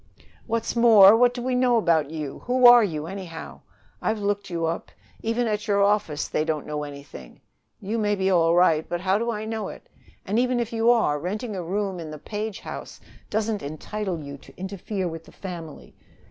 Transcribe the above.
"What's more, what do we know about you? Who are you, anyhow? I've looked you up. Even at your office they don't know anything. You may be all right, but how do I know it? And, even if you are, renting a room in the Page house doesn't entitle you to interfere with the family.